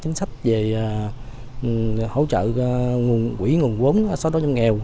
chính sách về hỗ trợ quỹ nguồn vốn so với nông nghèo